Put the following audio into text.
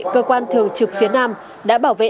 cơ quan thường trực phía nam đã bảo vệ